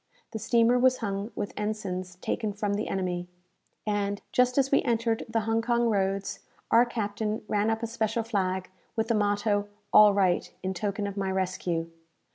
The steamer was hung with ensigns taken from the enemy; and, just as we entered the Hong Kong roads, our captain ran up a special flag, with the motto "All right," in token of my rescue.